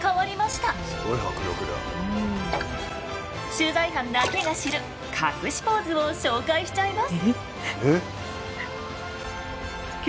取材班だけが知る隠しポーズを紹介しちゃいます！